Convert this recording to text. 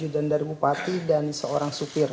dari bupati dan seorang supir